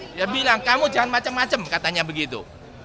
dia bilang kamu jangan macam macam katanya begitu